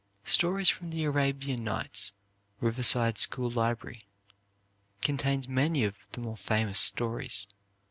"Stories from the Arabian Nights" (Riverside School Library), contains many of the more famous stories.